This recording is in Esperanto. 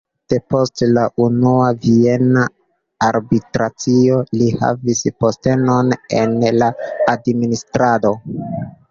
Depost la Unua Viena Arbitracio li havis postenon en la administrado.